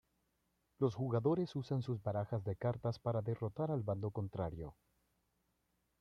Los jugadores usan sus barajas de cartas para derrotar al bando contrario.